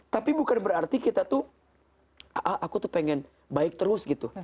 tapi bukan berarti kita tuh aku tuh pengen baik terus gitu